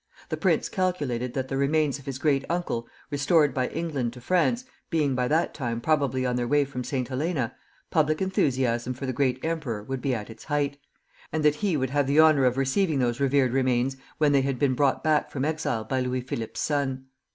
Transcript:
The prince calculated that the remains of his great uncle, restored by England to France, being by that time probably on their way from St. Helena, public enthusiasm for the great emperor would be at its height, and that he would have the honor of receiving those revered remains when they had been brought back from exile by Louis Philippe's son.